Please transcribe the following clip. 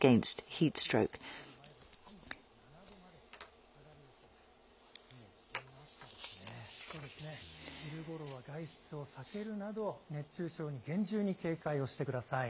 昼ごろは外出を避けるなど、熱中症に厳重に警戒をしてください。